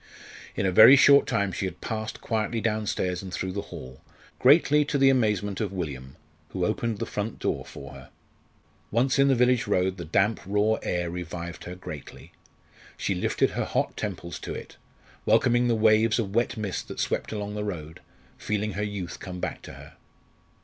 In a very short time she had passed quietly downstairs and through the hall, greatly to the amazement of William, who opened the front door for her. Once in the village road the damp raw air revived her greatly. She lifted her hot temples to it, welcoming the waves of wet mist that swept along the road, feeling her youth come back to her.